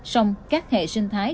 xong các hệ sinh thái